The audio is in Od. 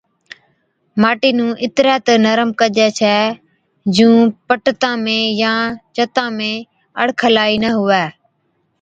ماٽِي نُون اِترَي تہ نرم ڪجَي ڇَي جُون پٽتان ۾ يان چتان ۾ الڙکلائِي نہ هُوَي۔